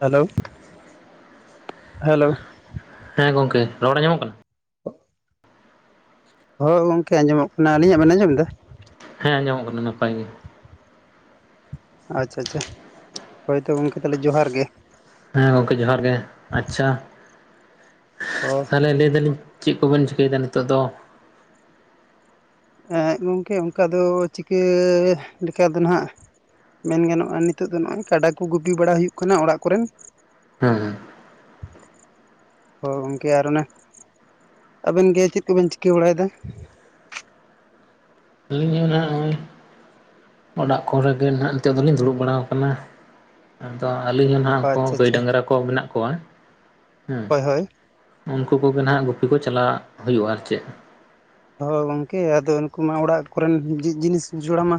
Hello hello ᱦᱮᱸ ᱜᱚᱝᱠᱮ ᱨᱚᱲ ᱟᱸᱡᱚᱢᱚᱜ ᱠᱟᱱᱟ? ᱦᱳᱭ ᱜᱚᱝᱠᱮ ᱟᱸᱡᱚᱢᱚᱜ ᱠᱟᱱᱟ᱾ ᱟᱹᱞᱤᱧᱟᱜ ᱵᱮᱱ ᱟᱸᱡᱚᱢᱮᱫᱟ? ᱦᱮᱸ ᱟᱸᱡᱚᱢᱚᱜ ᱠᱟᱱᱟ ᱱᱟᱯᱟᱭ ᱜᱮ᱾ ᱟᱪᱪᱷᱟ ᱟᱪᱪᱷᱟ ᱦᱳᱭ ᱛᱚ ᱜᱚᱢᱠᱮ ᱛᱟᱦᱚᱞᱮ ᱡᱚᱦᱟᱨ ᱜᱮ᱾ ᱦᱮᱸ ᱜᱚᱝᱠᱮ ᱡᱚᱦᱟᱨ ᱜᱮ ᱟᱪᱪᱷᱟ ᱚ ᱛᱟᱦᱚᱞᱮ ᱞᱟᱹᱭ ᱫᱟᱞᱤᱧ ᱪᱮᱫ ᱠᱚᱵᱮᱱ ᱪᱤᱠᱟᱹᱭᱮᱫᱟ ᱱᱤᱛᱚᱜ ᱫᱚ? ᱜᱚᱢᱠᱮ ᱚᱱᱠᱟ ᱫᱚ ᱪᱤᱠᱟᱹ ᱞᱮᱠᱟ ᱫᱚ ᱱᱟᱦᱱᱟᱜ ᱢᱮᱱ ᱜᱟᱱᱚᱜ-ᱟ ᱱᱤᱛᱚᱜ ᱫᱚ ᱱᱚᱜᱼᱚᱭ ᱠᱟᱰᱟ ᱠᱚ ᱜᱩᱯᱤ ᱵᱟᱲᱟ ᱦᱩᱭᱩᱜ ᱠᱟᱱᱟ ᱚᱲᱟᱜ ᱠᱚᱨᱮᱱ ᱦᱮᱸ ᱦᱮᱸ ᱦᱳᱭ ᱜᱚᱝᱠᱮ ᱟᱨ ᱚᱱᱮ ᱟᱵᱮᱱ ᱜᱮ ᱪᱮᱫ ᱠᱚᱵᱮᱱ ᱪᱤᱠᱟᱹ ᱵᱟᱲᱟᱭᱮᱫᱟ? ᱟᱹᱞᱤᱧ ᱦᱚᱸᱜ ᱱᱚᱜ-ᱚᱭ ᱚᱲᱟᱜ ᱠᱚᱨᱮᱜᱮ ᱱᱟᱦᱟᱜ ᱱᱤᱛᱚᱜ ᱫᱚᱞᱤᱧ ᱫᱩᱲᱩᱵ ᱵᱟᱲᱟ ᱟᱠᱟᱱᱟ, ᱟᱫᱚ ᱟᱹᱞᱤᱧ ᱦᱚᱸ ᱱᱟᱦᱟᱜ ᱩᱱᱠᱩ ᱟᱪᱪᱷᱟ ᱜᱟᱹᱭ ᱟᱪᱪᱷᱟ ᱰᱟᱝᱨᱟ ᱠᱚ ᱠᱚ ᱢᱮᱱᱟᱜ ᱠᱚᱣᱟ ᱦᱮᱸ ᱦᱳᱭ ᱦᱳᱭ ᱩᱱᱠᱩ ᱠᱚᱜᱮ ᱱᱟᱦᱟᱜ ᱜᱩᱯᱤ ᱠᱚ ᱪᱟᱞᱞᱟᱜ ᱦᱩᱭᱩᱜᱼᱟ ᱟᱨ ᱪᱮᱫ ᱦᱳᱭ ᱜᱚᱝᱠᱮ ᱟᱫᱚ ᱩᱱᱠᱩ ᱢᱟ ᱚᱲᱟᱜ ᱠᱚᱨᱮᱱ ᱡᱤᱱᱤᱥ ᱡᱚᱲᱟᱣ ᱢᱟ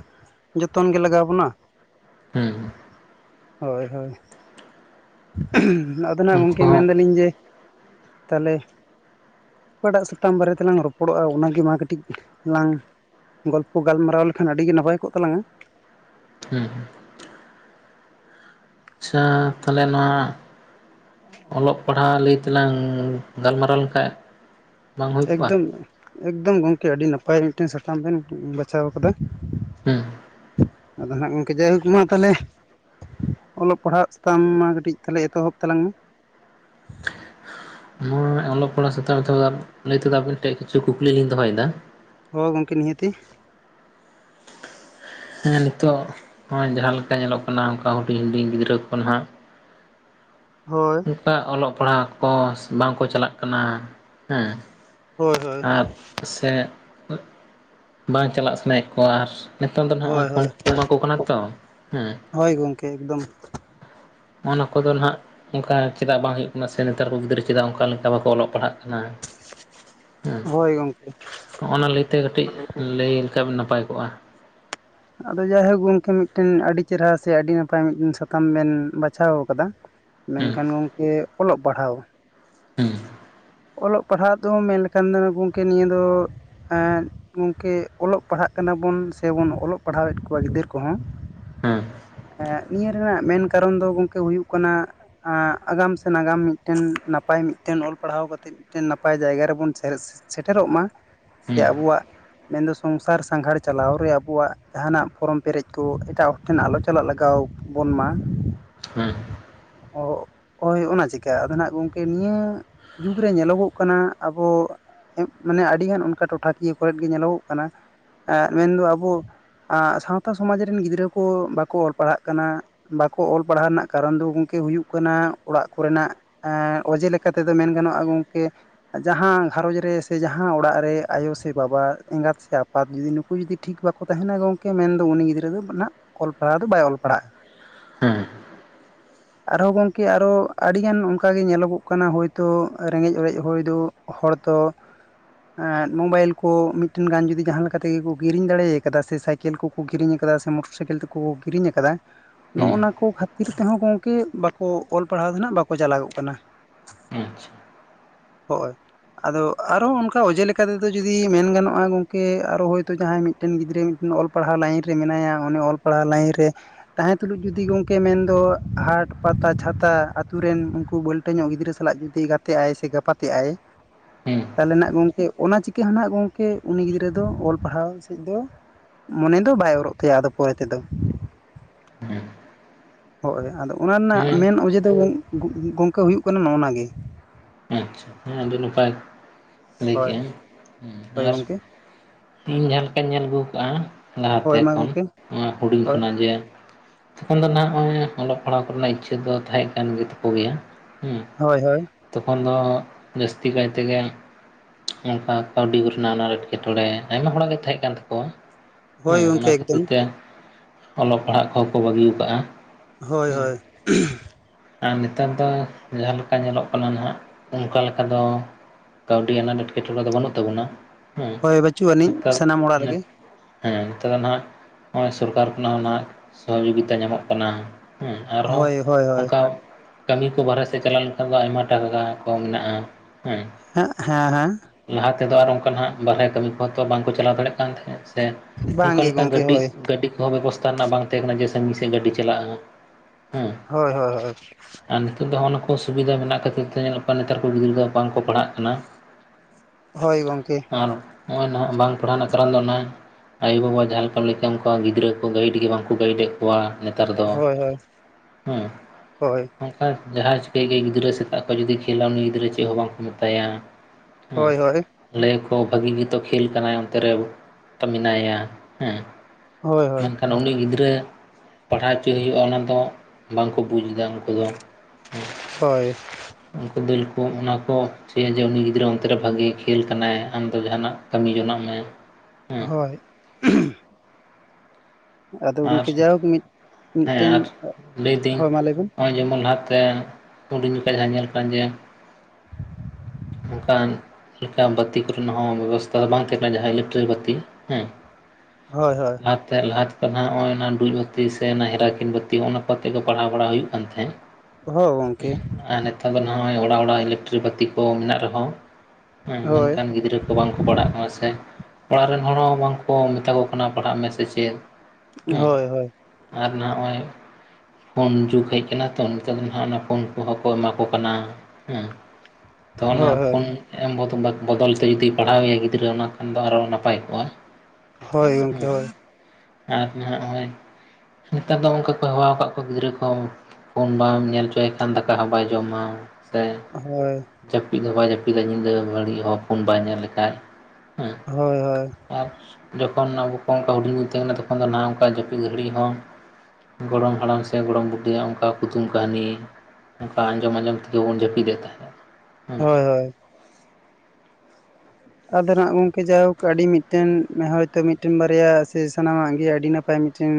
ᱡᱚᱛᱚᱱ ᱜᱮ ᱞᱟᱜᱟᱣ ᱵᱚᱱᱟ ᱦᱩᱸ ᱦᱳᱭ ᱦᱳᱭ ᱟᱫᱚ ᱦᱟᱸᱜ ᱩᱱᱠᱩ ᱜᱚᱢᱠᱮ ᱦᱚᱸ ᱢᱮᱱᱫᱟᱞᱤᱧ ᱡᱮ ᱛᱟᱦᱞᱮ ᱚᱠᱟᱴᱟᱜ ᱥᱟᱛᱟᱢ ᱵᱟᱨᱮᱛᱮᱞᱟᱝ ᱨᱚᱯᱚᱲᱚᱜᱼᱟ ᱚᱱᱟᱜᱮ ᱢᱟ ᱠᱟᱹᱴᱤᱡ ᱞᱟᱝ ᱜᱚᱞᱯᱚ ᱜᱟᱞᱢᱟᱨᱟᱣ ᱞᱮᱠᱷᱟᱱ ᱟᱹᱰᱤ ᱜᱮ ᱱᱟᱯᱟᱭ ᱠᱚᱜ ᱛᱟᱞᱟᱝᱟ᱾ ᱦᱩᱸ ᱦᱩᱸ ᱟᱪᱪᱷᱟ ᱛᱟᱦᱚᱞᱮ ᱱᱚᱣᱟ ᱚᱞᱚᱜ ᱯᱟᱲᱦᱟᱣ ᱞᱟᱹᱭ ᱛᱮᱞᱟᱝ ᱜᱟᱞᱢᱟᱨᱟᱣ ᱞᱮᱱᱠᱷᱟᱡ ᱵᱟᱝ ᱦᱩᱭ ᱠᱚᱜᱼᱟ? ᱮᱠᱫᱚᱢ ᱮᱠᱫᱚᱢ ᱜᱚᱢᱠᱮ ᱟᱹᱰᱤ ᱱᱟᱯᱟᱭ ᱢᱤᱫᱴᱮᱱ ᱥᱟᱛᱟᱢ ᱵᱮᱱ ᱵᱟᱪᱷᱟᱣ ᱠᱟᱫᱟ᱾ ᱦᱩᱸ ᱟᱫᱚ ᱦᱟᱸᱜ ᱜᱚᱢᱠᱮ ᱡᱟᱭᱦᱳᱠ ᱢᱟ ᱛᱟᱦᱚᱞᱮ ᱚᱞᱚᱜ ᱯᱟᱲᱦᱟᱜ ᱪᱮᱛᱟᱱ ᱢᱟ ᱠᱟᱹᱴᱤᱡ ᱛᱟᱦᱚᱞᱮ ᱮᱛᱚᱦᱚᱵ ᱛᱟᱞᱟᱝ ᱢᱮ ᱱᱚᱣᱟ ᱚᱞᱚᱜ ᱯᱟᱲᱦᱟᱜ ᱥᱮᱛᱟᱜ ᱞᱟᱹᱭ ᱛᱮᱫᱚ ᱟᱵᱤᱱ ᱴᱮᱱ ᱠᱤᱪᱷᱩ ᱠᱩᱠᱞᱤ ᱞᱤᱧ ᱫᱚᱦᱚᱭᱮᱫᱟ ᱦᱚᱭ ᱜᱚᱢᱠᱮ ᱱᱤᱦᱟᱹᱛᱤ ᱦᱮᱸ ᱱᱤᱛᱚᱜ ᱱᱚᱜᱼᱚᱭ ᱡᱟᱦᱟᱸ ᱞᱮᱠᱟ ᱧᱮᱞᱚᱜ ᱠᱟᱱᱟ ᱚᱱᱠᱟ ᱦᱩᱰᱤᱧ ᱦᱩᱰᱤᱧ ᱜᱤᱫᱨᱟᱹ ᱠᱚ ᱱᱟᱦᱟᱜ ᱦᱳᱭ [unintelligible] ᱚᱞᱚᱜ ᱯᱟᱲᱦᱟᱜ ᱠᱚ ᱵᱟᱝ ᱠᱚ ᱪᱟᱞᱟᱜ ᱠᱟᱱᱟ ᱦᱮᱸ ᱦᱳᱭ ᱦᱳᱭ ᱟᱨ ᱥᱮ ᱵᱟᱝ ᱪᱟᱞᱟᱜ ᱥᱟᱱᱟᱭᱮᱫ ᱠᱚᱣᱟ ᱟᱨ ᱱᱮᱛᱟᱨ ᱫᱚ ᱦᱳᱭ ᱦᱟᱜ ᱯᱷᱳᱱ ᱦᱳᱭ ᱠᱚᱠᱚ ᱮᱢᱟ ᱠᱚ ᱠᱟᱱᱟ ᱛᱚ ᱦᱩᱸ ᱦᱳᱭ ᱜᱚᱢᱠᱮ ᱮᱠᱫᱚᱢ ᱚᱱᱟ ᱠᱚᱫᱚ ᱱᱟᱦᱟᱜ ᱚᱱᱠᱟ ᱪᱮᱫᱟᱜ ᱵᱟᱝ ᱦᱩᱭᱩᱜ ᱠᱟᱱᱟ ᱥᱮ ᱱᱮᱛᱟᱨ ᱠᱚ ᱜᱤᱫᱨᱟᱹ ᱪᱮᱫᱟᱜ ᱚᱱᱠᱟ ᱞᱮᱠᱟ ᱵᱟᱠᱚ ᱚᱞᱚᱜ ᱯᱟᱲᱦᱟᱜ ᱠᱟᱱᱟ ᱦᱩᱸ ᱦᱳᱭ ᱜᱚᱢᱠᱮ ᱦᱚᱸᱜᱼᱚ ᱱᱟ ᱞᱟᱹᱭᱛᱮ ᱠᱟᱹᱴᱤᱡ ᱞᱟᱹᱭ ᱞᱮᱠᱷᱟᱱ ᱱᱟᱯᱟᱭ ᱠᱚᱜ-ᱟ ᱟᱫᱚ ᱡᱟᱭᱦᱳᱠ ᱜᱚᱢᱠᱮ ᱢᱤᱫᱴᱮᱱ ᱟᱹᱰᱤ ᱪᱮᱨᱦᱟ ᱥᱮ ᱟᱹᱰᱤ ᱱᱟᱯᱟᱭ ᱢᱤᱫᱴᱮᱱ ᱥᱟᱛᱟᱢ ᱵᱮᱱ ᱵᱟᱪᱷᱟᱣ ᱟᱠᱟᱫᱟ ᱦᱮᱸ ᱢᱮᱱᱠᱷᱟᱱ ᱜᱚᱝᱠᱮ ᱚᱞᱚᱜ ᱯᱟᱲᱦᱟᱣ ᱦᱩᱸ ᱚᱞᱚᱜ ᱯᱟᱲᱦᱟᱜ ᱫᱚ ᱢᱮᱱ ᱞᱮᱠᱷᱟᱱ ᱫᱚ ᱜᱚᱢᱠᱮ ᱱᱤᱭᱟᱹ ᱫᱚ ᱜᱚᱢᱠᱮ ᱚᱞᱚᱜ ᱯᱟᱲᱦᱟᱜ ᱠᱟᱱᱟᱵᱚᱱ ᱥᱮᱵᱚᱱ ᱚᱞᱚᱜ ᱯᱟᱲᱦᱟᱣᱮᱫ ᱠᱚᱣᱟ ᱜᱤᱫᱟᱹᱨ ᱠᱚᱦᱚᱸ ᱦᱮᱸ ᱱᱤᱭᱟᱹ ᱨᱮᱱᱟᱜ ᱢᱮᱱ ᱠᱟᱨᱚᱱ ᱫᱚ ᱜᱚᱝᱠᱮ ᱦᱩᱭᱩᱜ ᱠᱟᱱᱟ ᱟᱜᱟᱢ ᱥᱮ ᱱᱟᱜᱟᱢ ᱢᱤᱫᱴᱮᱱ ᱱᱟᱯᱟᱭ ᱢᱤᱫᱴᱮᱱ ᱚᱞ ᱯᱟᱲᱦᱟᱣ ᱠᱟᱛᱮ ᱢᱤᱫᱴᱮᱱ ᱱᱟᱯᱟᱭ ᱡᱟᱭᱜᱟ ᱨᱮᱵᱚᱱ ᱥᱮᱴᱮᱨᱚᱜ ᱢᱟ ᱥᱮ ᱦᱮᱸ ᱟᱵᱚᱣᱟᱜ ᱢᱮᱱᱫᱚ ᱥᱚᱝᱥᱟᱨ ᱥᱟᱸᱜᱷᱟᱨ ᱪᱟᱞᱟᱣ ᱨᱮ ᱟᱵᱚᱣᱟᱜ ᱡᱟᱦᱟᱱᱟᱜ ᱯᱷᱚᱨᱚᱢ ᱯᱮᱨᱮᱡ ᱠᱚ ᱮᱴᱟᱜ ᱦᱚᱲ ᱴᱷᱮᱱ ᱟᱞᱚ ᱪᱟᱞᱟᱜ ᱞᱟᱜᱟᱣ ᱵᱚᱱ ᱢᱟ ᱦᱩᱸ ᱚ ᱦᱳᱭ ᱚᱱᱟ ᱪᱤᱠᱟᱹ ᱟᱫᱚ ᱱᱟᱜ ᱜᱚᱝᱠᱮ ᱱᱤᱭᱟ. ᱡᱩᱜᱽ ᱨᱮ ᱧᱮᱞᱚᱜᱚᱜ ᱠᱟᱱᱟ ᱟᱵᱚ ᱢᱟᱱᱮ ᱟᱹᱰᱤᱜᱟᱱ ᱚᱱᱠᱟ ᱴᱚᱴᱷᱟᱠᱤᱭᱟᱹ ᱠᱚᱨᱮ ᱜᱮ ᱧᱮᱞᱚᱜᱚᱜ ᱠᱟᱱᱟ ᱮ ᱢᱮᱱᱫᱚ ᱟᱵᱚ ᱟᱸ ᱥᱟᱶᱛᱟ ᱥᱚᱢᱟᱡᱽ ᱨᱮᱱ ᱜᱤᱫᱽᱨᱟᱹ ᱠᱚ ᱵᱟᱠᱚ ᱚᱞ ᱯᱟᱲᱦᱟᱜ ᱠᱟᱱᱟ᱾ ᱵᱟᱠᱚ ᱚᱞ ᱯᱟᱲᱦᱟᱣ ᱨᱮᱱᱟᱜ ᱠᱟᱨᱚᱱ ᱫᱚ ᱜᱚᱝᱠᱮ ᱦᱩᱭᱩᱜ ᱠᱟᱱᱟ᱾ᱚᱲᱟᱜ ᱠᱚᱨᱮᱱᱟᱜ ᱮᱸ ᱚᱡᱮ ᱞᱮᱠᱟ ᱛᱮᱫᱚ ᱢᱮᱱ ᱜᱟᱱᱚᱜᱼᱟ ᱜᱚᱢᱠᱮ ᱡᱟᱦᱟᱸ ᱜᱷᱟᱨᱚᱸᱡᱽ ᱨᱮ ᱥᱮ ᱡᱟᱦᱟᱸ ᱚᱲᱟᱜ ᱨᱮ ᱟᱭᱳ ᱥᱮ ᱵᱟᱵᱟ ᱮᱸᱜᱟᱛ ᱥᱮ ᱟᱯᱟᱛ ᱡᱩᱫᱤ ᱱᱩᱠᱩ ᱡᱩᱫᱤ ᱴᱷᱤᱠ ᱵᱟᱠᱚ ᱛᱟᱸᱦᱮᱱᱟ ᱜᱚᱢᱠᱮ ᱢᱮᱱᱫᱚ ᱩᱱᱤ ᱜᱤᱫᱽᱨᱟᱹ ᱫᱚ ᱱᱟᱜ ᱚᱞ ᱯᱟᱲᱦᱟᱣ ᱫᱚ ᱵᱟᱭ ᱚᱞ ᱯᱟᱲᱦᱟᱜᱼᱟ᱾ ᱦᱮᱸ ᱟᱨᱦᱚᱸ ᱜᱚᱝᱠᱮ ᱟᱨᱚ ᱟᱹᱰᱤ ᱜᱟᱱ ᱚᱱᱠᱟ ᱜᱮ ᱧᱮᱞᱚᱜᱚᱜ ᱠᱟᱱᱟ᱾ᱦᱚᱭᱛᱳ ᱨᱮᱸᱜᱮᱡ ᱚᱨᱮᱡ ᱦᱩᱭ ᱫᱚ ᱦᱚᱲ ᱛᱚ ᱢᱳᱵᱟᱭᱤᱞ ᱠᱚ ᱢᱤᱫᱴᱮᱱ ᱜᱟᱱ ᱡᱩᱫᱤ ᱡᱟᱦᱟᱸ ᱞᱮᱠᱟ ᱛᱮᱜᱮ ᱠᱚ ᱠᱤᱨᱤᱧ ᱫᱟᱲᱮᱭᱟ ᱠᱟᱫᱟ, ᱥᱮ ᱥᱟᱭ ᱥᱟᱭᱠᱮᱞ ᱠᱚᱠᱚ ᱠᱤᱨᱤᱧ ᱟᱠᱟᱫᱟ, ᱥᱮ ᱢᱚᱴᱚᱨ ᱥᱟᱭᱠᱮᱞ ᱛᱮᱠᱚ ᱠᱤᱨᱤᱧ ᱟᱠᱟᱫᱟ ᱦᱮᱸ ᱱᱚᱜᱼᱚᱱᱟ ᱠᱚ ᱠᱷᱟᱹᱛᱤᱨ ᱛᱮᱦᱚᱸ ᱜᱚᱝᱠᱮ ᱵᱟᱠᱚ ᱚᱞ ᱯᱟᱲᱦᱟᱣ ᱫᱚ ᱱᱟᱜ ᱵᱟᱠᱚ ᱪᱟᱞᱟᱜᱚᱜ ᱠᱟᱱᱟ᱾ ᱟᱪᱪᱷᱟ ᱦᱳᱭ ᱟᱫᱚ ᱟᱨᱚ ᱚᱱᱠᱟ ᱚᱡᱮ ᱞᱮᱠᱟᱛᱮ ᱫᱚ ᱡᱩᱫᱤ ᱢᱮᱱ ᱜᱟᱱᱚᱜᱼᱟ᱾ᱜᱚᱝᱠᱮ ᱟᱨᱚ ᱦᱳᱭᱛᱳ ᱡᱟᱦᱟᱸᱭ ᱢᱤᱫ ᱢᱤᱫᱴᱮᱱ ᱜᱤᱫᱽᱨᱟᱹ ᱢᱤᱫᱴᱮᱱ ᱚᱞ ᱯᱟᱲᱦᱟᱣ ᱞᱟᱭᱤᱱ ᱨᱮ ᱢᱮᱱᱟᱭᱟ ᱾ᱩᱱᱤ ᱚᱞ ᱯᱟᱲᱦᱟᱣ ᱞᱟᱭᱤᱱ ᱨᱮ ᱛᱟᱦᱮᱸ ᱛᱩᱞᱩᱡ ᱡᱩᱫᱤ ᱜᱚᱢᱠᱮ ᱢᱮᱱᱫᱚ ᱦᱟᱴ ᱯᱟᱛᱟ ᱪᱷᱟᱛᱟ ᱟᱛᱳ ᱨᱮᱱ ᱩᱱᱠᱩ ᱵᱟᱹᱞ ᱼᱼᱴᱟ. ᱧᱚᱜ ᱜᱤᱫᱽᱨᱟᱹ ᱥᱟᱞᱟᱜ ᱡᱩᱫᱤ ᱜᱟᱛᱮᱜᱼ ᱟᱭ ᱥᱮ ᱜᱟᱯᱟᱛᱮᱜᱼᱟᱭ ᱦᱮᱸ ᱛᱟᱦᱚᱞᱮ ᱱᱟᱜ ᱜᱚᱢᱠᱮ ᱚᱱᱟ ᱪᱤᱠᱟᱹ ᱦᱟᱸᱜ ᱱᱟᱜ ᱜᱚᱢᱠᱮ ᱩᱱᱤ ᱜᱤᱫᱽᱨᱟᱹ ᱫᱚ ᱚᱞ ᱯᱟᱲᱦᱟᱣ ᱥᱮᱫ ᱫᱚ ᱢᱚᱱᱮ ᱫᱚ ᱵᱟᱭ ᱚᱨᱚᱜ ᱛᱟᱭᱟ ᱟᱫᱚ ᱯᱚᱨᱮ ᱛᱮᱫᱚ᱾ [unintelligible] ᱦᱳᱭ ᱟᱫᱚ ᱚᱱᱟ ᱨᱮᱱᱟᱜ ᱦᱮᱸ ᱢᱮᱱ ᱚᱡᱮ ᱫᱚ ᱜᱚᱝᱠᱮ ᱦᱩᱭᱩᱜ ᱠᱟᱱᱟ ᱱᱚᱜᱼᱱᱟᱜᱮ ᱦᱮᱸ ᱟᱪᱷᱟ ᱦᱮᱸ ᱟᱹᱰᱤ ᱱᱟᱯᱟᱭ ᱞᱟᱹᱭ ᱦᱳᱭ ᱠᱮᱫᱼᱟ᱾ ᱦᱮᱸ ᱦᱳᱭ ᱟᱨ ᱜᱚᱝᱠᱮ ᱤᱧ ᱡᱟᱦᱟᱸ ᱞᱮᱠᱟᱧ ᱧᱮᱞ ᱟᱹᱜᱩ ᱠᱟᱜᱼᱟ, ᱞᱟᱦᱟᱛᱮ ᱦᱳᱭ ᱢᱟ ᱠᱷᱚᱱ ᱜᱚᱝᱠᱮ ᱦᱩᱰᱤᱧ ᱦᱳᱭ ᱠᱷᱚᱱᱟᱜ ᱡᱮ ᱛᱚᱠᱷᱚᱱ ᱫᱚ ᱱᱟᱦᱟᱜ ᱱᱚᱜᱼᱚᱭ ᱚᱞᱚᱜ ᱯᱟᱲᱦᱟᱜ ᱠᱚᱨᱮᱱᱟᱜ ᱤᱪᱷᱟᱹ ᱫᱚ ᱛᱟᱦᱮᱸ ᱠᱟᱱ ᱜᱮᱛᱟᱠᱚ ᱜᱮᱭᱟ ᱦᱮᱸ ᱦᱳᱭ ᱦᱳᱭ ᱛᱚᱠᱷᱚᱱ ᱫᱚ ᱡᱟᱹᱥᱛᱤ ᱠᱟᱭ ᱛᱮᱜᱮ ᱚᱱᱠᱟ ᱠᱟᱹᱣᱰᱤ ᱠᱚᱨᱮᱱᱟᱜ ᱚᱱᱟ ᱮᱸᱴᱠᱮᱴᱚᱲᱮ ᱟᱭᱢᱟ ᱦᱚᱲᱟᱜ ᱜᱮ ᱛᱟᱦᱮᱸ ᱠᱟᱱ ᱛᱟᱠᱚᱣᱟ᱾ ᱦᱳᱭ ᱦᱮᱸ ᱜᱚᱝᱠᱮ ᱚᱱᱟ ᱮᱠᱫᱚᱢ ᱠᱷᱟᱹᱛᱤᱨ ᱛᱮ ᱚᱞᱚᱜ ᱯᱟᱲᱦᱟᱜ ᱠᱚᱦᱚᱸ ᱠᱚ ᱵᱟᱹᱜᱤ ᱟᱠᱟᱜᱼᱟ᱾ ᱦᱳᱭ ᱦᱮᱸ ᱦᱳᱭ ᱟᱨ ᱱᱮᱛᱟᱨ ᱫᱚ ᱡᱟᱦᱟᱸ ᱞᱮᱠᱟ ᱧᱮᱞᱚᱜ ᱠᱟᱱᱟ ᱱᱟᱦᱟᱜ ᱚᱱᱠᱟ ᱞᱮᱠᱟ ᱫᱚ ᱠᱟᱹᱣᱰᱤ ᱟᱱᱟᱴ ᱮᱴᱠᱮᱴᱚᱬᱮ ᱫᱚ ᱵᱟᱹᱱᱩᱜ ᱛᱟᱵᱚᱱᱟ᱾ ᱦᱮᱸ ᱦᱳᱭ ᱵᱟᱹᱪᱩᱜ ᱟᱹᱱᱤᱡ ᱱᱮᱛᱟᱨ ᱥᱟᱱᱟᱢ ᱚᱲᱟᱜ ᱨᱮᱜᱮ, ᱦᱮᱸ ᱱᱮᱛᱟᱨ ᱫᱚ ᱱᱟᱦᱟᱜ ᱱᱚᱜᱼᱚᱭ, ᱥᱚᱨᱠᱟᱨ ᱠᱷᱚᱱᱟᱜ ᱦᱚᱸ ᱱᱟᱦᱟᱜ ᱥᱚᱦᱚᱡᱳᱜᱤᱛᱟ ᱧᱟᱢᱚᱜ ᱠᱟᱱᱟ᱾ ᱦᱮᱸ ᱟᱨᱦᱚᱸ ᱦᱳᱭ ᱦᱳᱭ ᱦᱳᱭ ᱚᱱᱠᱟ ᱠᱟᱹᱢᱤ ᱠᱚ ᱵᱟᱨᱦᱮ ᱥᱮᱫ ᱪᱟᱞᱟᱣ ᱞᱮᱱᱠᱷᱟᱱ ᱫᱚ ᱟᱭᱢᱟ ᱴᱟᱠᱟ ᱠᱚ ᱢᱮᱱᱟᱜᱼᱟ᱾ᱦᱮᱸ ᱦᱮᱸ ᱦᱮᱸ ᱦᱮᱸ ᱞᱟᱦᱟ ᱛᱮᱫᱚ ᱟᱨ ᱚᱱᱠᱟ ᱱᱟᱜ ᱵᱟᱨᱦᱨᱮ ᱠᱟᱹᱢᱤ ᱠᱚᱦᱚᱸ ᱛᱚ ᱵᱟᱝᱠᱚ ᱪᱟᱞᱟᱣ ᱫᱟᱲᱮᱭᱟᱜ ᱠᱟᱱ ᱛᱟᱸᱦᱮ᱾ ᱥᱮ ᱚᱱᱠᱟ ᱵᱟᱝᱜᱮ ᱞᱮᱠᱟ ᱜᱚᱢᱠᱮ ᱜᱟᱹᱰᱤ ᱦᱳᱭ ᱜᱟᱹᱰᱤ ᱠᱚ ᱵᱮᱵᱚᱥᱛᱷᱟ ᱨᱮᱱᱟᱜ ᱵᱟᱝ ᱛᱟᱦᱮᱸ ᱠᱟᱱᱟ᱾ ᱡᱮ ᱥᱟᱺᱜᱤᱧ ᱥᱮᱫ ᱜᱟᱹᱰᱤ ᱪᱟᱞᱟᱜᱼᱟ᱾ ᱦᱳᱭ ᱦᱳᱭ ᱦᱳᱭ ᱟᱨ ᱱᱤᱛᱚᱜ ᱫᱚ ᱦᱚᱜ ᱱᱚᱣᱟ ᱠᱚ ᱥᱩᱵᱤᱫᱷᱟ ᱢᱮᱱᱟᱜ ᱠᱷᱟᱹᱛᱤᱨ ᱛᱮ ᱧᱮᱞᱚᱜ ᱠᱚᱱᱟ ᱱᱮᱛᱟᱨ ᱠᱚ ᱜᱤᱫᱽᱨᱟᱹ ᱫᱚ ᱵᱟᱝᱠᱚ ᱯᱟᱲᱦᱟᱜ ᱠᱟᱱᱟ᱾ [inaudible] ᱦᱳᱭ ᱜᱚᱝᱠᱮ ᱟᱨ ᱱᱚᱜᱼᱚᱭ ᱱᱟᱦᱟᱜ ᱵᱟᱝ ᱯᱟᱲᱦᱟᱜ ᱨᱮᱱᱟᱜ ᱠᱟᱨᱟᱱ ᱫᱚ ᱚᱱᱟ ᱟᱭᱳᱵᱟᱵᱟ ᱡᱟᱦᱟᱸ ᱞᱮᱠᱟᱢ ᱞᱟᱹᱭ ᱠᱮᱟᱢ ᱚᱱᱠᱟ ᱜᱤᱫᱽᱨᱟᱹ ᱠᱚ ᱜᱟᱭᱤᱰ ᱜᱮ ᱵᱟᱝᱠᱚ ᱜᱟᱭᱤᱰ ᱮ ᱠᱚᱣᱟᱜ ᱱᱮᱛᱟᱨ ᱫᱚ ᱦᱳᱭ ᱦᱳᱭ ᱦᱩᱢ ᱦᱳᱭ ᱚᱱᱠᱟ ᱡᱟᱦᱟᱸ ᱪᱤᱠᱟᱹᱭ ᱜᱮᱭ ᱜᱤᱫᱽᱨᱟᱹ ᱥᱮᱛᱟᱜ ᱠᱷᱚᱱ ᱡᱩᱫᱤ ᱠᱷᱮᱞᱟ ᱩᱱᱤ ᱜᱤᱫᱽᱨᱟᱹ ᱪᱮᱫ ᱦᱚᱸ ᱵᱟᱝᱠᱚ ᱢᱮᱛᱟᱭᱟ᱾ ᱦᱮᱸᱢ ᱦᱳᱭ ᱦᱳᱭ ᱞᱮᱭᱟᱠᱚ ᱵᱷᱟᱹᱜᱤ ᱜᱮᱛᱚ ᱠᱷᱮᱞ ᱠᱟᱱᱟᱭ ᱚᱱᱛᱮ ᱨᱮ ᱢᱮᱱᱟᱭᱟ ᱦᱮᱸ ᱦᱳᱭ ᱦᱳᱭ ᱛᱟᱦᱚᱞᱮ ᱩᱱᱤ ᱜᱤᱫᱽᱨᱟᱹ ᱯᱟᱲᱦᱟᱣ ᱦᱚᱪᱚᱭᱮ ᱦᱩᱭᱩᱜᱼᱟ᱾ ᱚᱱᱟ ᱫᱚ ᱵᱟᱝᱠᱚ ᱵᱩᱡᱽ ᱫᱟ ᱩᱱᱠᱩ ᱫᱚ ᱦᱩᱸ ᱦᱳᱭ ᱩᱱᱠᱩ ᱫᱟᱹᱞ ᱠᱚ ᱚᱱᱟ ᱠᱚ ᱪᱮᱫ ᱡᱮ ᱩᱱᱤ ᱜᱤᱫᱽᱨᱟᱹ ᱚᱱᱛᱮ ᱨᱮ ᱵᱷᱟᱜᱤ ᱜᱮ ᱠᱷᱮᱞ ᱠᱟᱱᱟᱭ ᱟᱢᱫᱚ ᱡᱟᱦᱟᱱᱟᱜ ᱠᱟᱹᱢᱤ ᱡᱚᱱᱟᱜ ᱢᱮ᱾ ᱦᱮᱸ ᱦᱳᱭ ᱟᱫᱚ ᱟᱨ ᱜᱚᱝᱠᱮ ᱡᱟᱭᱦᱳᱠ ᱢᱤᱫ ᱦᱮᱸ ᱢᱤᱫᱴᱮᱱ ᱟᱨ ᱞᱟᱹᱭᱫᱟᱹᱧ ᱦᱳᱭ ᱢᱟ ᱞᱟᱹᱭᱵᱮᱱ ᱱᱚᱜᱼᱚᱭ ᱡᱮᱢᱚᱱ ᱞᱟᱦᱟᱛᱮ, ᱦᱩᱰᱤᱧ ᱡᱚᱠᱷᱟ ᱡᱟᱦᱟᱸ ᱧᱮᱞ ᱠᱟᱱᱟ ᱡᱮ ᱵᱟᱝ [unintelligible] ᱞᱮᱠᱟ ᱵᱟᱹᱛᱤ ᱠᱚᱨᱮᱱᱟᱜ ᱦᱚᱸ ᱵᱮᱵᱚᱥᱛᱷᱟ ᱫᱚ ᱵᱟᱝ ᱛᱟᱦᱮᱸ ᱠᱟᱱᱟ ᱡᱟᱦᱟᱸ ᱤᱞᱮᱠᱴᱨᱤᱠ ᱵᱟᱹᱛᱤ ᱦᱮᱸ ᱦᱳᱭ ᱦᱳᱭ ᱞᱟᱦᱟᱛᱮ ᱞᱟᱦᱟᱛᱮᱫᱚ ᱱᱦᱭ [unintelligible] ᱚᱱᱟ ᱰᱩᱡ ᱵᱟᱹᱛᱤ ᱥᱮ ᱦᱮᱨᱟᱠᱤᱱ ᱵᱟᱹᱛᱤ ᱱᱚᱣᱟ ᱠᱚ ᱟᱛᱮᱜ ᱜᱮ ᱯᱟᱲᱦᱟᱣ ᱵᱟᱲᱟ ᱦᱩᱭᱩᱜ ᱠᱟᱱ ᱛᱟᱦᱮᱸᱫ ᱦᱳᱭ ᱜᱚᱢᱠᱮ ᱟᱨ ᱱᱮᱛᱟᱨ ᱫᱚ ᱱᱚᱜᱼᱚᱭ ᱚᱲᱟᱜ ᱚᱲᱟᱜ ᱤᱞᱮᱠᱴᱨᱤᱠ ᱵᱟᱹᱛᱤ ᱠᱚ ᱢᱮᱱᱟᱜ ᱨᱮᱦᱚᱸ ᱦᱮᱸ ᱦᱳᱭ ᱢᱮᱱᱠᱷᱟᱱ ᱜᱤᱫᱽᱨᱟᱹ ᱠᱚ ᱵᱟᱝᱠᱚ ᱯᱟᱲᱦᱟᱜ ᱠᱟᱱᱟ ᱥᱮ ᱚᱲᱟᱜ ᱨᱮᱱ ᱦᱚᱲ ᱦᱚᱸ ᱵᱟᱝᱠᱚ ᱢᱮᱛᱟ ᱠᱚ ᱠᱟᱱᱟ ᱯᱟᱲᱦᱟᱜ ᱢᱮ᱾ ᱥᱮ ᱪᱮᱫ? ᱦᱮᱸ ᱦᱳᱭ ᱦᱳᱭ ᱟᱨ ᱱᱚᱜᱼᱚᱭ ᱯᱷᱳᱱ ᱡᱩᱜᱽ ᱦᱮᱡ ᱠᱟᱱᱟ ᱛᱚ ᱱᱮᱛᱟᱨ ᱫᱚ ᱱᱟᱦᱟᱜ ᱚᱱᱟ ᱯᱷᱳᱱ ᱠᱚᱦᱚᱸ ᱠᱚ ᱮᱢᱟ ᱠᱚ ᱠᱟᱱᱟ ᱦᱮᱸ ᱛᱚ ᱦᱳᱭ ᱚᱱᱟ ᱦᱳᱭ ᱯᱷᱳᱱ ᱮᱢ ᱵᱚᱫᱚᱞ ᱛᱮ ᱡᱩᱫᱤ ᱯᱟᱲᱦᱟᱣᱮᱭᱟᱭ ᱜᱤᱫᱽᱨᱟᱹ ᱚᱱᱟ ᱠᱷᱟᱱ ᱫᱚ ᱟᱨᱚ ᱱᱟᱯᱟᱭ ᱠᱚᱜᱼᱟ᱾ ᱦᱳᱭ ᱜᱚᱝᱠᱮ ᱦᱮᱸ ᱦᱳᱭ ᱟᱨ ᱱᱟᱦᱟᱜ ᱱᱚᱜᱼᱚᱭ ᱱᱮᱛᱟᱨ ᱫᱚ ᱚᱱᱠᱟ ᱠᱚ ᱦᱮᱣᱟᱣ ᱠᱟᱫ ᱠᱚᱣᱟ ᱜᱤᱫᱽᱨᱟᱹ ᱠᱚ ᱯᱷᱳᱱ ᱵᱟᱢ ᱧᱮᱞ ᱦᱚᱪᱚᱭᱟᱭ ᱠᱷᱟᱱ ᱫᱟᱠᱟ ᱦᱚᱸ ᱵᱟᱭ ᱡᱚᱢᱟ᱾ ᱥᱮ ᱦᱳᱭ ᱡᱟᱹᱯᱤᱫ ᱦᱚᱸ ᱵᱟᱭ ᱡᱟᱹᱯᱤᱫᱟ ᱧᱤᱫᱟᱹ ᱵᱟᱹᱲᱤᱡ ᱦᱚ ᱯᱷᱚᱱ ᱵᱟᱭ ᱧᱮᱞ ᱞᱮᱠᱷᱟᱡ ᱦᱮᱸ ᱦᱳᱭ ᱦᱳᱭ ᱟᱨ ᱡᱚᱠᱷᱚᱱ ᱟᱵᱚ ᱠᱚ ᱚᱱᱠᱟ ᱦᱩᱰᱤᱧ ᱵᱚ ᱛᱟᱦᱮᱸ ᱠᱟᱱᱟ ᱛᱚᱠᱷᱚᱱ ᱫᱚ ᱱᱟᱦᱟᱜ ᱚᱱᱠᱟ ᱡᱟᱹᱯᱤᱫ ᱜᱷᱟᱹᱲᱤ ᱦᱚᱸ ᱜᱚᱲᱚᱢ ᱦᱟᱲᱟᱢ ᱥᱮ ᱜᱚᱲᱚᱢ ᱵᱩᱰᱤᱭᱟᱜ ᱚᱱᱠᱟ ᱠᱩᱫᱩᱢ ᱠᱟᱹᱦᱱᱤ ᱚᱱᱠᱟ ᱟᱸᱡᱚᱢ ᱟᱸᱡᱚᱢ ᱛᱮᱜᱮ ᱵᱚᱱ ᱡᱟᱯᱤᱫᱼᱮᱫ ᱛᱟᱦᱮ ᱦᱳᱭ ᱦᱳᱭ ᱟᱫᱚ ᱱᱟᱜ ᱜᱚᱢᱠᱮ ᱡᱟᱭᱦᱳᱠ ᱟᱹᱰᱤ ᱢᱤᱫᱴᱮᱱ ᱦᱚᱭᱛᱳ ᱢᱤᱫᱴᱮᱱ ᱵᱟᱨᱭᱟ ᱥᱮ ᱥᱟᱱᱟᱢᱟᱜ ᱜᱮ ᱟᱹᱰᱤ ᱱᱟᱯᱟᱭ ᱱᱟᱯᱟᱭ ᱢᱤᱫᱴᱮᱱ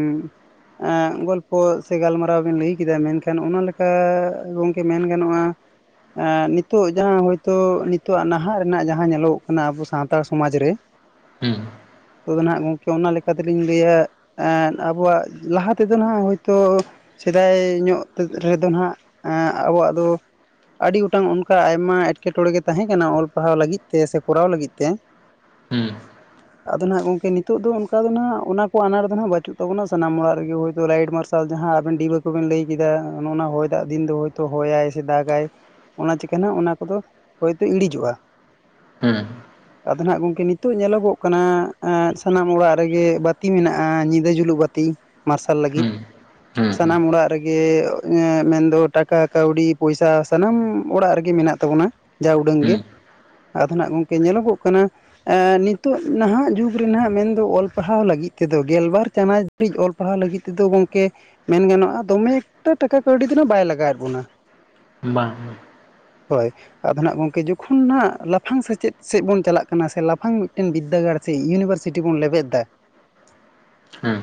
ᱜᱚᱞᱯᱷᱚ ᱥᱮ ᱜᱟᱞᱢᱟᱨᱟᱣ ᱵᱮᱱ ᱞᱟᱹᱭ ᱠᱮᱫᱟ ᱢᱮᱱᱠᱷᱟᱱ ᱚᱱᱟ ᱞᱮᱠᱟ ᱜᱚᱝᱠᱮ ᱢᱮᱱ ᱜᱟᱱᱚᱜᱼᱟ ᱱᱤᱛᱚᱜ ᱡᱟᱦᱟᱸ ᱦᱳᱭᱛᱳ ᱱᱤᱛᱚᱜᱟᱜ ᱱᱟᱦᱟᱜ ᱨᱮᱱᱟᱜ ᱡᱟᱦᱟᱸ ᱧᱮᱞᱚᱜ ᱚᱱᱟ ᱟᱵᱚ ᱥᱟᱱᱛᱟᱲ ᱥᱚᱢᱟᱡᱽ ᱨᱮ ᱦᱮᱸ ᱛᱚ ᱫᱚ ᱱᱷᱟᱜ ᱜᱚᱝᱠᱮ ᱚᱱᱟ ᱞᱮᱠᱟ ᱛᱮᱞᱤᱧ ᱞᱟᱹᱭᱟ ᱮᱱᱻ ᱟᱵᱚᱣᱟᱜ ᱞᱟᱦᱟ ᱛᱮᱫᱚ ᱱᱷᱟᱜ ᱦᱳᱭᱛᱳ ᱥᱮᱫᱟᱭ ᱧᱚᱜ ᱨᱮᱫᱚ ᱱᱷᱟᱜ ᱟᱵᱚᱣᱟᱜ ᱫᱚ ᱟᱹᱰᱤ ᱜᱚᱴᱟᱝ ᱚᱱᱠᱟ ᱟᱭᱢᱟ ᱮᱴᱠᱮᱴᱚᱬᱮ ᱜᱮ ᱛᱟᱦᱮᱸ ᱠᱟᱱᱟ ᱚᱞ ᱯᱟᱲᱦᱟᱣ ᱞᱟᱹᱜᱤᱫ ᱛᱮ ᱥᱮ ᱠᱚᱨᱟᱣ ᱞᱟᱹᱜᱤᱫ ᱛᱮ ᱦᱩᱸ ᱟᱫᱚ ᱱᱷᱟᱜ ᱜᱚᱝᱠᱮ ᱱᱤᱛᱚᱜ ᱫᱚ ᱚᱱᱠᱟ ᱫᱚ ᱱᱷᱟᱜ ᱚᱱᱠᱟ ᱚᱱᱟ ᱠᱚ ᱟᱱᱟᱴ ᱫᱚ ᱦᱟᱸᱜ ᱵᱟᱹᱪᱩᱜ ᱛᱟᱵᱚᱱᱟ ᱥᱟᱱᱟᱢ ᱚᱲᱟᱜ ᱨᱮᱜᱮ ᱦᱭᱳ ᱛᱚ ᱞᱟᱭᱤᱴ ᱢᱟᱨᱼᱼ ᱥᱟᱞ ᱡᱟᱦᱟᱸ ᱟᱵᱮᱱ ᱰᱤᱵᱟᱹ ᱠᱚᱵᱮᱱ ᱞᱟᱹᱭ ᱠᱮᱫᱟ ᱱᱚᱜᱼᱱᱟ ᱦᱚᱭ ᱫᱟᱜ ᱫᱤᱱ ᱫᱚ ᱦᱳᱭᱛᱚ ᱦᱚᱭᱟᱭ ᱥᱮ ᱫᱟᱜᱟᱭ ᱚᱱᱟ ᱪᱮᱠᱟ ᱱᱷᱟᱜ ᱚᱱᱟ ᱠᱚᱫᱚ ᱦᱚᱭᱛᱮ ᱤᱲᱤᱡᱚᱜᱼᱟ ᱦᱩᱸ ᱟᱫᱚ ᱱᱷᱟᱜ ᱜᱚᱢᱠᱮ ᱱᱤᱛᱚᱜ ᱧᱮᱞᱚᱜᱚᱜ ᱠᱟᱱᱟ ᱥᱟᱱᱟᱢ ᱚᱲᱟᱜ ᱨᱮᱜᱮ ᱵᱟᱹᱛᱤ ᱢᱮᱱᱟᱜᱼᱟ ᱧᱤᱫᱟᱹ ᱡᱩᱞᱩᱜ ᱵᱟᱹᱛᱤ ᱢᱟᱨᱥᱟᱞ ᱞᱟᱹᱜᱤᱫ ᱦᱩᱸ ᱦᱩᱸ ᱦᱩᱸ ᱥᱟᱱᱟᱢ ᱚᱲᱟᱜ ᱨᱮᱜᱮ ᱢᱮᱱᱫᱚ ᱴᱟᱠᱟ ᱠᱟᱹᱣᱰᱤ ᱯᱚᱭᱥᱟ ᱥᱟᱱᱟᱢ ᱚᱲᱟᱜ ᱨᱮᱜᱮ ᱢᱮᱱᱟᱜ ᱛᱟᱵᱚᱱᱟ ᱡᱟ ᱩᱰᱟᱹᱝ ᱜᱮ। ᱦᱩᱸ ᱟᱫᱚ ᱱᱷᱟᱜ ᱜᱚᱝᱠᱮ ᱧᱮᱞᱚᱜᱚᱜ ᱠᱟᱱᱟ ᱮᱸ ᱱᱤᱛᱚᱜ ᱱᱟᱦᱟᱜ ᱡᱩᱜᱽ ᱨᱮᱱᱟᱜ ᱢᱮᱱᱫᱚ ᱚᱞ ᱯᱟᱲᱦᱟᱣ ᱞᱟᱹᱜᱤᱫ ᱛᱮᱫᱚ ᱜᱮᱞᱵᱟᱨ ᱪᱟᱱᱟᱪᱼᱼ [unintelligible] ᱚᱞ ᱯᱟᱲᱦᱟᱣ ᱞᱟᱹᱜᱤᱫ ᱛᱮᱫᱚ ᱜᱚᱝᱠᱮ ᱢᱮᱱ ᱜᱟᱱᱚᱜᱼᱟ ᱫᱚᱢᱮ ᱮᱠᱴᱟ ᱴᱟᱠᱟ ᱠᱟᱹᱣᱰᱤ ᱫᱚ ᱵᱟᱭ ᱞᱟᱜᱟᱣᱮᱫ ᱵᱚᱱᱟ। ᱵᱟᱝ ᱜᱮ ᱦᱳᱭ ᱟᱫᱚ ᱱᱷᱟᱜ ᱜᱚᱝᱠᱮ ᱡᱚᱠᱷᱚᱱ ᱱᱷᱟᱜ [unintelligible] ᱞᱟᱯᱷᱼᱼ ᱞᱟᱯᱷᱟᱝ ᱥᱮᱪᱮᱫ ᱥᱮᱫ ᱵᱚᱱ ᱪᱟᱞᱟᱜ ᱠᱟᱱᱟ ᱥᱮ ᱞᱟᱯᱷᱟᱝ ᱢᱤᱫᱴᱮᱱ ᱵᱤᱫᱽᱫᱟᱹᱜᱟᱲ ᱥᱮ ᱤᱭᱩᱱᱤᱵᱷᱟᱨᱥᱤᱴᱤ ᱵᱚᱱ ᱞᱮᱵᱮᱫ ᱮᱫᱟ। ᱦᱮᱸᱻ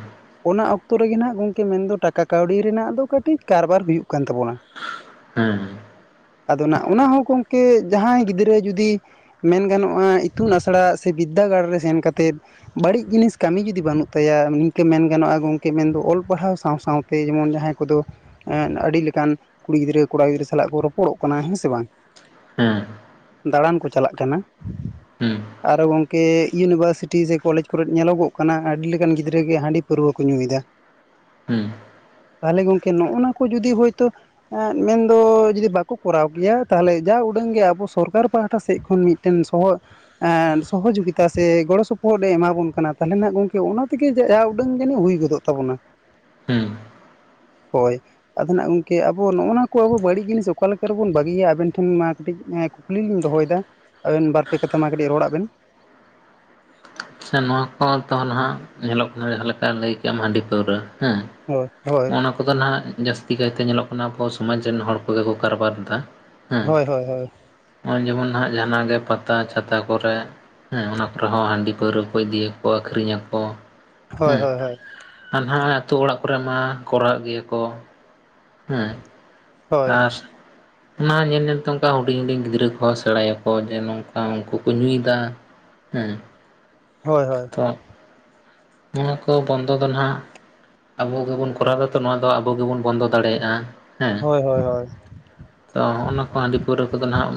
ᱚᱱᱟ ᱚᱠᱛᱚ ᱨᱮᱜᱮ ᱱᱷᱟᱜ ᱜᱚᱝᱠᱮ ᱢᱮᱱᱫᱚ ᱴᱟᱠᱟ ᱠᱟᱹᱣᱰᱤ ᱨᱮᱱᱟᱜ ᱫᱚ ᱠᱟᱹᱴᱤᱡ ᱠᱟᱨᱵᱟᱨ ᱦᱩᱭᱩᱜ ᱠᱟᱱ ᱛᱟᱵᱚᱱᱟ। ᱦᱮᱸᱻ ᱟᱫᱚ ᱱᱟᱜ ᱚᱱᱟ ᱦᱚᱸ ᱜᱚᱝᱠᱮ ᱡᱟᱦᱟᱸᱭ ᱜᱤᱫᱽᱨᱟᱹ ᱡᱩᱫᱤ ᱢᱮᱱ ᱜᱟᱱᱚᱜᱼᱟ ᱤᱛᱩᱱ ᱟᱥᱲᱟ ᱥᱮ ᱵᱤᱫᱽᱫᱟᱹᱜᱟᱲ ᱨᱮ ᱥᱮᱱ ᱠᱟᱛᱮᱫ ᱵᱟᱹᱲᱤᱡ ᱡᱤᱱᱤᱥ ᱠᱟᱹᱢᱤ ᱡᱩᱫᱤ ᱵᱟᱹᱱᱩᱜ ᱛᱟᱭᱟ ᱱᱤᱝᱠᱟᱹ ᱢᱮᱱ ᱜᱟᱱᱚᱜᱼᱟ ᱜᱚᱝᱠᱮ ᱢᱮᱱᱫᱚ ᱚᱞ ᱯᱟᱲᱦᱟᱣ ᱥᱟᱶ ᱥᱟᱶᱼᱼ ᱛᱮ ᱡᱮᱢᱚᱱ ᱡᱟᱦᱟᱸᱭ ᱠᱚᱫᱚ ᱟᱹᱰᱤ ᱞᱮᱠᱟᱱ ᱠᱩᱲᱤ ᱜᱤᱫᱽᱨᱟᱹ ᱠᱚᱲᱟ ᱜᱤᱫᱽᱨᱟᱹ ᱥᱟᱞᱟᱜ ᱠᱚ ᱨᱚᱯᱚᱲᱚᱜ ᱠᱟᱱᱟ ᱦᱮᱸ ᱥᱮ ᱵᱟᱝ। ᱫᱟᱬᱟᱱ ᱠᱚ ᱪᱟᱞᱟᱜ ᱠᱟᱱᱟ। ᱦᱩᱸ ᱟᱨᱦᱚᱸ ᱜᱚᱝᱠᱮ ᱤᱭᱩᱱᱤᱵᱷᱟᱨᱥᱤᱴᱤ ᱥᱮ ᱠᱚᱞᱮᱡᱽ ᱠᱚᱨᱮ ᱧᱮᱞᱚᱜᱚᱜ ᱠᱟᱱᱟ ᱟᱹᱰᱤ ᱞᱮᱠᱟᱱ ᱜᱤᱫᱽᱨᱟᱹ ᱜᱮ ᱦᱟᱺᱰᱤ ᱯᱟᱹᱨᱣᱟᱹ ᱠᱚ ᱧᱩᱭ ᱮᱫᱟ। [inaudible] ᱛᱟᱦᱚᱞᱮ ᱜᱚᱝᱠᱮ ᱱᱚᱜᱼᱱᱟ ᱠᱚ ᱡᱩᱫᱤ ᱦᱳᱭᱛᱳ ᱢᱮᱱᱫᱚ ᱡᱩᱫᱤ ᱵᱟᱠᱚ ᱠᱚᱨᱟᱣ ᱠᱮᱭᱟ ᱛᱟᱦᱚᱞᱮ ᱡᱟ ᱩᱰᱟᱹᱝ ᱜᱮ ᱟᱵᱚ ᱥᱚᱨᱠᱟᱨ ᱯᱟᱦᱴᱟ ᱥᱮᱫ ᱠᱷᱚᱱ ᱢᱤᱫᱴᱮᱱ ᱥᱚᱦᱚᱫ ᱥᱚᱦᱚᱡᱳᱜᱤᱛᱟ ᱥᱮ ᱜᱚᱲᱚ ᱥᱚᱯᱚᱦᱚᱫ ᱮ ᱮᱢᱟ ᱵᱚᱱ ᱠᱟᱱᱟ ᱛᱟᱦᱚᱞᱮ ᱱᱷᱟᱜ ᱜᱚᱝᱠᱮ ᱚᱱᱟ ᱛᱮᱜᱮ ᱡᱟ ᱩᱰᱟᱹᱝ ᱡᱟᱹᱱᱤᱡ ᱦᱩᱭ ᱜᱚᱫᱚᱜ ᱛᱟᱵᱚᱱᱟ ᱦᱩᱸᱻ ᱦᱳᱭ ᱟᱫᱚ ᱱᱷᱟᱜ ᱜᱚᱝᱠᱮ ᱟᱵᱚ ᱱᱚᱜᱼᱱᱟ ᱠᱚ ᱟᱵᱚ ᱵᱟᱹᱲᱤᱡ ᱡᱤᱱᱤᱥ ᱚᱠᱟ ᱞᱮᱠᱟ ᱨᱮᱵᱚᱱ ᱵᱟᱹᱜᱤᱭᱟ ᱟᱵᱮᱱ ᱴᱷᱮᱱ ᱢᱟ ᱠᱟᱹᱴᱤᱡ ᱠᱩᱠᱞᱤ ᱞᱤᱧ ᱫᱚᱦᱚᱭᱮᱫᱟ ᱫᱟ ᱟᱵᱮᱱ ᱵᱟᱨ ᱯᱮ ᱠᱟᱛᱷᱟ ᱢᱟ ᱠᱟᱹᱴᱤᱡ ᱨᱚᱲᱟᱜ ᱵᱮᱱ ᱥᱮ ᱱᱚᱣᱟ ᱠᱚ ᱛᱚ ᱱᱷᱟᱜ ᱧᱮᱞᱚᱜ ᱠᱟᱱᱟ ᱡᱟᱦᱟᱸ ᱞᱮᱠᱟ ᱞᱟᱹᱭ ᱠᱮᱜᱼᱟᱢ ᱦᱟᱹᱰᱤ ᱯᱟᱹᱣᱨᱟᱹ ᱦᱮᱸ ᱦᱳᱭᱻ ᱦᱳᱭᱻ ᱚᱱᱟ ᱠᱚᱫᱚ ᱱᱷᱟᱜ ᱡᱟᱹᱥᱛᱤ ᱠᱟᱭᱛᱮ ᱧᱮᱞᱚᱜ ᱠᱟᱱᱟ ᱟᱵᱚ ᱥᱚᱢᱟᱡᱽ ᱨᱮᱱ ᱦᱚᱲ ᱠᱚᱜᱮ ᱠᱚ ᱠᱟᱨᱵᱟᱨ ᱮᱫᱟ ᱦᱳᱭ ᱦᱳᱭ ᱦᱳᱭ ᱱᱚᱜᱚᱭ ᱡᱮᱢᱚᱱ ᱦᱟᱜ ᱡᱟᱦᱱᱟᱜ ᱜᱮ ᱯᱟᱛᱟ ᱪᱷᱟᱛᱟ ᱠᱚᱨᱮ ᱦᱮᱸ ᱚᱱᱟ ᱠᱚᱨᱮ ᱦᱚᱸ ᱦᱟᱺᱰᱤ ᱯᱟᱹᱣᱨᱟᱹ ᱠᱚ ᱤᱫᱤᱭᱟᱠᱚ ᱟᱹᱠᱷᱨᱤᱧ ᱟᱠᱚ ᱦᱳᱭ ᱦᱳᱭ ᱦᱳᱭ ᱟᱨ ᱱᱟᱦᱟᱜ ᱟᱹᱛᱩ ᱚᱲᱟᱜ ᱠᱚᱨᱮ ᱢᱟ ᱠᱚᱨᱟᱣ ᱜᱮᱭᱟ ᱠᱚ ᱦᱩᱸ ᱦᱳᱭ ᱟᱨ ᱚᱱᱟ ᱧᱮᱞ ᱧᱮᱞᱛᱮ ᱚᱱᱠᱟ ᱦᱩᱰᱤᱧ ᱦᱩᱰᱤᱧ ᱜᱤᱫᱽᱨᱟᱹ ᱠᱚᱦᱚᱸ ᱥᱮᱬᱟᱭᱟᱠᱚ ᱡᱮ ᱱᱚᱝᱠᱟ ᱩᱱᱠᱩ ᱠᱚ ᱧᱩᱭᱫᱟ। ᱦᱩᱸ ᱦᱳᱭ ᱦᱳᱭ ᱛᱚ ᱱᱚᱣᱟ ᱠᱚ ᱵᱚᱱᱫᱚ ᱫᱚ ᱱᱟᱦᱟᱜ ᱟᱵᱚ ᱜᱮᱵᱚᱱ ᱠᱚᱨᱟᱣ ᱫᱟ ᱛᱚ ᱱᱚᱣᱟ ᱫᱚ ᱟᱵᱚ ᱜᱮᱵᱚᱱ ᱵᱚᱱᱫᱚ ᱫᱟᱲᱮᱭᱟᱜᱼᱟ। ᱦᱮᱸ ᱦᱳᱭ ᱦᱳᱭ ᱦᱳᱭ ᱦᱳᱭ ᱛᱚ ᱚᱱᱟ ᱠᱚ ᱟᱹᱰᱤ ᱯᱟᱹᱣᱨᱟᱹ ᱠᱚᱫᱚ ᱱᱟᱦᱟᱜ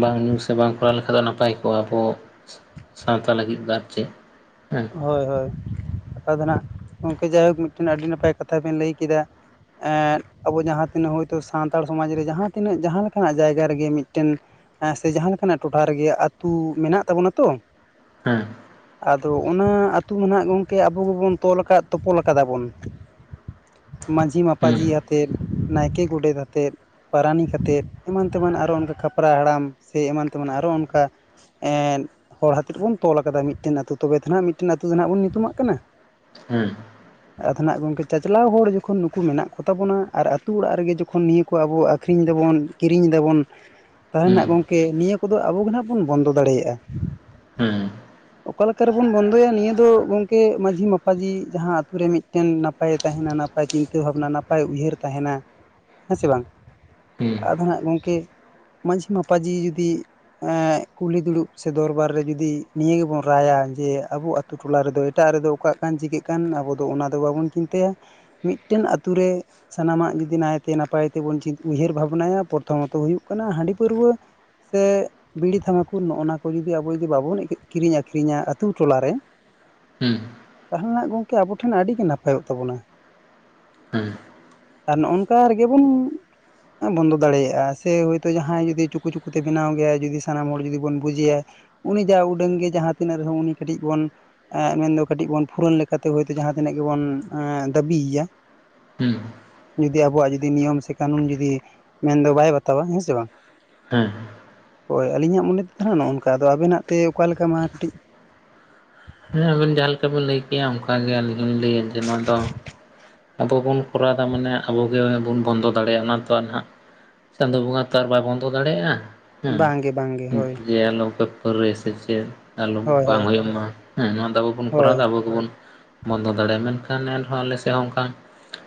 ᱵᱟᱝ ᱧᱩ ᱥᱮ ᱵᱟᱝ ᱠᱚᱨᱟᱣ ᱞᱮᱠᱷᱟᱡ ᱫᱚ ᱱᱟᱯᱟᱭ ᱠᱚᱜᱼᱟ ᱟᱵᱚ ᱥᱟᱶᱛᱟ ᱞᱟᱹᱜᱤᱫ ᱵᱟᱨ ᱪᱮᱫ ᱦᱮᱸ ᱦᱳᱭ ᱦᱳᱭ ᱠᱟᱛᱷᱟ ᱫᱚ ᱱᱟᱦᱟᱜ ᱜᱚᱝᱠᱮ ᱡᱟᱭᱦᱳᱠ ᱢᱤᱫᱴᱮᱱ ᱟᱹᱰᱤ ᱱᱟᱯᱟᱭ ᱠᱟᱛᱷᱟ ᱵᱮᱱ ᱞᱟᱹᱭ ᱠᱮᱫᱟ ᱮᱸ ᱟᱵᱚ ᱡᱟᱦᱟᱸ ᱛᱤᱱᱟᱹᱜ ᱦᱳᱭᱛᱳ ᱥᱟᱱᱛᱟᱲ ᱥᱚᱢᱟᱡᱽ ᱨᱮ ᱡᱟᱦᱟᱸ ᱛᱤᱱᱟᱹᱜ ᱡᱟᱦᱟᱸ ᱞᱮᱠᱟᱱᱟᱜ ᱡᱟᱭᱜᱟ ᱨᱮᱜᱮ ᱢᱤᱫᱴᱮᱱ ᱦᱮᱸ ᱥᱮ ᱡᱟᱦᱟᱸ ᱞᱮᱠᱟᱱᱟᱜ ᱴᱚᱴᱷᱟ ᱨᱮᱜᱮ ᱟᱹᱛᱩ ᱢᱮᱱᱟᱜ ᱛᱟᱵᱚᱱᱟ ᱛᱚ। ᱦᱮᱸ ᱟᱫᱚ ᱚᱱᱟ ᱟᱹᱛᱩ ᱢᱟ ᱦᱟᱜ ᱜᱚᱝᱠᱮ ᱟᱵᱚ ᱜᱮᱵᱚᱱ ᱛᱚᱞ ᱟᱠᱟᱫ ᱛᱚᱯᱚᱞ ᱠᱟᱫᱟ ᱵᱚᱱ ᱢᱟᱹᱡᱷᱤ ᱢᱟᱯᱟᱡᱷᱤ ᱟᱛᱮᱫ ᱱᱟᱭᱠᱮ ᱜᱚᱰᱮᱛ ᱟᱛᱮᱫ ᱯᱟᱨᱟᱱᱤᱠ ᱠᱟᱛᱮᱫ ᱮᱢᱟᱱ ᱛᱮᱢᱟᱱ ᱟᱨᱚ ᱚᱱᱠᱟ ᱠᱷᱟᱯᱨᱟ ᱦᱟᱲᱟᱢ ᱥᱮ ᱮᱢᱟᱱ ᱛᱮᱢᱟᱱ ᱟᱨᱚ ᱚᱱᱠᱟ ᱮᱸᱫ ᱦᱚᱲ ᱦᱟᱛᱮ ᱠᱚ ᱵᱩᱱ ᱛᱚᱞ ᱟᱠᱟᱫᱟ ᱢᱤᱫᱴᱮᱱ ᱟᱹᱛᱩ ᱛᱚᱵᱮ ᱫᱚ ᱱᱟᱦᱟᱜ ᱢᱤᱫᱴᱮᱱ ᱟᱛᱳ ᱫᱚ ᱦᱟᱜ ᱵᱚᱱ ᱧᱩᱛᱩᱢᱟᱜ ᱠᱟᱱᱟ ᱦᱮᱸ ᱟᱫᱚ ᱱᱟᱦᱟᱜ ᱜᱚᱢᱠᱮ ᱪᱟᱪᱞᱟᱣ ᱦᱚᱲ ᱡᱚᱠᱷᱚᱱ ᱱᱩᱠᱩ ᱢᱮᱱᱟᱜ ᱠᱚᱛᱟ ᱵᱚᱱᱟ ᱟᱨ ᱟᱛᱳ ᱚᱲᱟᱜ ᱨᱮᱜᱮ ᱡᱚᱠᱷᱚᱱ ᱱᱤᱭᱟᱹ ᱠᱚ ᱟᱵᱚ ᱟᱠᱷᱨᱤᱧ ᱫᱟᱵᱚᱱ ᱠᱤᱨᱤᱧ ᱮᱫᱟᱵᱚᱱ [inaudible] ᱛᱟᱦᱚᱞᱮ ᱱᱟᱜ ᱜᱚᱢᱠᱮ ᱱᱤᱭᱟᱹ ᱠᱚᱫᱚ ᱟᱵᱚ ᱜᱮ ᱱᱟᱜ ᱵᱚᱱ ᱵᱚᱱᱫᱚ ᱫᱟᱲᱮᱭᱟᱜᱼᱟ ᱦᱮᱸ ᱚᱠᱟ ᱞᱮᱠᱟ ᱨᱮᱵᱚᱱ ᱵᱚᱱᱫᱚᱭᱟ ᱱᱤᱭᱟᱹ ᱫᱚ ᱜᱚᱢᱠᱮ ᱢᱟᱺᱡᱷᱤ ᱢᱟᱯᱟᱡᱷᱤ ᱡᱟᱦᱟᱸ ᱟᱛᱳ ᱨᱮ ᱢᱤᱫᱴᱮᱱ ᱱᱟᱯᱟᱭᱮ ᱛᱟᱦᱮᱱᱟ ᱱᱟᱭ ᱱᱟᱯᱟᱭ ᱪᱤᱱᱛᱟᱹ ᱵᱷᱟᱵᱽᱱᱟ ᱱᱟᱯᱟᱭ ᱩᱭᱦᱟᱹᱨ ᱛᱟᱦᱮᱱᱟ ᱦᱮᱸ ᱥᱮ ᱵᱟᱝ ᱦᱮᱸ ᱟᱫᱚ ᱱᱟᱜ ᱜᱚᱝᱠᱮ ᱢᱟᱺᱡᱷᱤ ᱢᱟᱯᱟᱡᱷᱤ ᱡᱩᱫᱤ ᱠᱩᱞᱦᱤ ᱫᱩᱲᱩᱵ ᱥᱮ ᱫᱚᱨᱵᱟᱨ ᱨᱮ ᱡᱩᱫᱤ ᱱᱤᱭᱟᱹ ᱜᱮᱵᱚᱱ ᱴᱨᱟᱭᱟ ᱡᱮ ᱟᱵᱚ ᱟᱛ ᱴᱚᱞᱟ ᱨᱮᱫᱚ ᱮᱴᱟᱜ ᱨᱮᱫᱚ ᱚᱠᱟᱜ ᱠᱟᱱ ᱪᱤᱠᱟᱹᱜ ᱠᱟᱱ ᱟᱵᱚ ᱫᱚ ᱚᱱᱟ ᱫᱚ ᱵᱟᱵᱚᱱ ᱪᱤᱱᱛᱟᱹᱭᱟ ᱢᱤᱫᱴᱮᱱ ᱟᱛᱳ ᱨᱮ ᱥᱟᱱᱟᱢᱟᱜ ᱡᱩᱫᱤ ᱱᱟᱭᱛᱮ ᱱᱟᱯᱟᱭ ᱛᱮᱵᱚᱱ ᱩᱭᱦᱟᱹᱨ ᱵᱷᱟᱵᱽᱱᱟᱭᱟ ᱯᱨᱚᱛᱷᱚᱢᱚᱛᱚ ᱦᱩᱭᱩᱜ ᱠᱟᱱᱟ ᱦᱟᱺᱰᱤ ᱯᱟᱹᱨᱣᱟᱹ ᱥᱮ ᱵᱤᱲᱤ ᱛᱷᱟᱢᱟᱠᱩᱨ ᱱᱚᱜᱼᱚᱱᱟ ᱠᱚ ᱡᱩᱫᱤ ᱟᱵᱚ ᱡᱩᱫᱤ ᱵᱟᱵᱚᱱ ᱠᱤᱨᱤᱧ ᱟᱹᱠᱷᱨᱤᱧᱟ ᱟᱹᱛᱩ ᱴᱚᱞᱟ ᱨᱮ ᱛᱟᱦᱚᱞᱮ ᱱᱟᱜ ᱜᱚᱝᱠᱮ ᱟᱵᱚ ᱴᱷᱮᱱ ᱟᱹᱰᱤ ᱜᱮ ᱱᱟᱯᱟᱭᱚᱜ ᱛᱟᱵᱚᱱᱟ ᱦᱮᱸ ᱟᱨ ᱱᱚᱜᱼᱚᱝᱠᱟ ᱨᱮᱜᱮ ᱵᱚᱱ ᱵᱚᱱᱫᱚ ᱫᱟᱲᱮᱭᱟᱜᱼᱟ ᱥᱮ ᱦᱳᱭᱛᱳ ᱡᱟᱦᱟᱸᱭ ᱡᱩᱫᱤ ᱪᱩᱠᱩ ᱪᱩᱠᱩ ᱛᱮ ᱵᱮᱱᱟᱣ ᱜᱮᱭᱟᱭ ᱡᱩᱫᱤ ᱥᱟᱱᱟᱢ ᱦᱚᱲ ᱡᱩᱫᱤ ᱵᱚᱱ ᱵᱩᱡᱮᱭᱟ ᱩᱱᱤ ᱡᱟ ᱩᱰᱟᱹᱝ ᱜᱮ ᱡᱟᱦᱟᱸ ᱛᱤᱱᱟᱹᱜ ᱨᱮᱦᱚᱸ ᱩᱱᱤ ᱠᱟᱹᱴᱤᱡ ᱵᱚᱱ ᱢᱮᱱᱫᱚ ᱠᱟᱹᱴᱤᱡ ᱵᱚᱱ ᱯᱷᱩᱨᱟᱹᱱ ᱞᱮᱠᱟᱛᱮ ᱦᱳᱭᱛᱳ ᱡᱟᱦᱟᱸ ᱛᱤᱱᱟᱹᱜ ᱜᱮᱵᱚᱱ ᱫᱟᱹᱵᱤᱭᱮᱭᱟ ᱦᱩᱸ ᱡᱩᱫᱤ ᱟᱵᱚᱣᱟᱜ ᱡᱩᱫᱤ ᱱᱤᱭᱚᱢ ᱥᱮ ᱠᱟᱹᱱᱩᱱ ᱡᱩᱫᱤ ᱢᱮᱱᱫᱚ ᱵᱟᱭ ᱵᱟᱛᱟᱣᱟ ᱦᱮᱸᱥᱮ ᱵᱟᱝ ᱦᱮᱸ ᱦᱳᱭ ᱟᱹᱞᱤᱧᱟᱜ ᱢᱚᱱᱮ ᱛᱮ ᱫᱚ ᱦᱟᱸ ᱱᱚᱜᱼᱱᱚᱝᱠᱟ ᱟᱫᱚ ᱟᱵᱮᱱᱟᱜ ᱛᱮ ᱚᱠᱟ ᱞᱮᱠᱟ ᱢᱟ ᱠᱟᱹᱴᱤᱡ ᱦᱮᱸ ᱟᱵᱮᱱ ᱡᱟᱦᱟᱸ ᱞᱮᱠᱟ ᱵᱤᱱ ᱞᱟᱹᱭ ᱠᱮᱜᱼᱟ ᱚᱱᱠᱟᱜᱮ ᱟᱹᱞᱤᱧ ᱦᱩᱞᱤᱧ ᱞᱟᱹᱭᱟ ᱡᱮ ᱱᱚᱣᱟ ᱫᱚ ᱟᱵᱚ ᱵᱚᱱ ᱠᱚᱨᱟᱣ ᱮᱫᱟ ᱢᱟᱱᱮ ᱟᱵᱚᱜᱮ ᱵᱚᱱ ᱵᱚᱱᱫᱚ ᱫᱟᱲᱮᱭᱟᱜᱼᱟ ᱚᱱᱟ ᱛᱚ ᱦᱟᱜ ᱪᱟᱸᱫᱚ ᱵᱚᱸᱜᱟ ᱛᱚ ᱟᱨ ᱵᱟᱭ ᱵᱚᱱᱫᱚ ᱫᱟᱲᱮᱭᱟᱜᱼᱟ ᱦᱮᱸ ᱵᱟᱝᱜᱮ ᱵᱟᱝᱜᱮ ᱦᱳᱭ ᱡᱮ ᱟᱞᱚᱯᱮ ᱯᱟᱣᱹᱨᱟᱹ ᱭᱟ ᱥᱮ ᱪᱮᱫ ᱟᱞᱚ ᱦᱳᱭ ᱵᱟᱝ ᱦᱳᱭ ᱦᱩᱭᱩᱜ ᱢᱟ ᱦᱟᱸ ᱱᱟᱣᱟ ᱫᱚ ᱟᱵᱚ ᱜᱮᱵᱚᱱ ᱦᱳᱭ ᱠᱚᱨᱟᱣᱫᱟ ᱟᱵᱚ ᱜᱮᱵᱚᱱ ᱵᱚᱱᱫᱚ ᱫᱟᱲᱮᱭᱟᱜᱼᱟ ᱢᱮᱱᱠᱷᱟᱱ ᱮᱱᱦᱚᱸ ᱟᱞᱮ ᱥᱮ ᱥᱮᱦ ᱚᱱᱠᱟ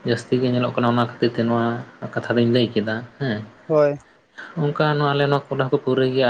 ᱡᱟᱹᱥᱛᱤ ᱜᱮ ᱧᱮᱞᱚᱜ ᱠᱟᱱᱟ ᱚᱱᱟ ᱠᱷᱟᱹᱛᱤᱨ ᱛᱮ ᱱᱚᱣᱟ ᱠᱟᱛᱷᱟ ᱫᱚᱧ ᱞᱟᱹᱭ ᱠᱮᱫᱟ ᱦᱮᱸ ᱦᱳᱭ ᱚᱱᱠᱟ ᱱᱚᱣᱟ ᱟᱞᱮ ᱱᱚᱣᱟ ᱠᱚᱰᱟ ᱦᱚᱸ ᱠᱚ ᱯᱩᱨᱟᱹᱭ ᱜᱮᱭᱟ